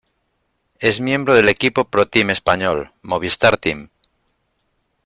Es miembro del equipo ProTeam español, Movistar Team.